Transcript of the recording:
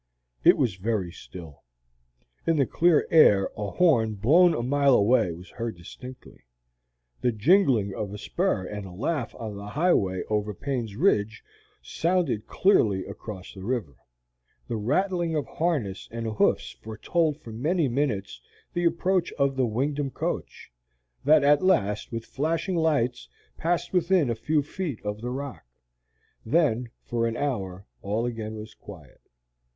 It was very still. In the clear air a horn blown a mile away was heard distinctly. The jingling of a spur and a laugh on the highway over Payne's Ridge sounded clearly across the river. The rattling of harness and hoofs foretold for many minutes the approach of the Wingdam coach, that at last, with flashing lights, passed within a few feet of the rock. Then for an hour all again was quiet.